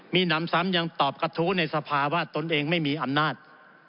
มีหนำซ้ำยังตอบกระทู้ในสภาว่าตนเองไม่มีอำนาจ